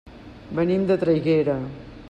Venim de Traiguera.